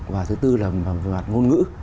và thứ tư là mặt ngôn ngữ